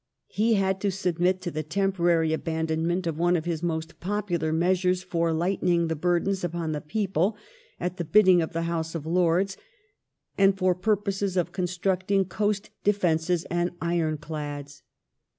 He had to submit to the temporary abandonment of one of his most popular measures for lightening the burdens upon the people at the bidding of the House of Lords, and for purposes of constructing coast defences and ironclads.